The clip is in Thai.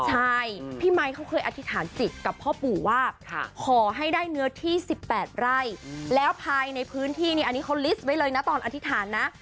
ใช่พี่ไมค์เขาเคยอธิษฐานจิตกับพ่อปู่ว่าขอให้ได้เนื้อที่๑๘ไร่แล้วภายในพื้นที่นี่อันนี้เขาลิสต์ไว้เลยนะตอนอธิษฐานนะ